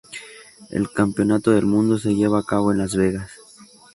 El Campeonato del Mundo se lleva a cabo en Las Vegas.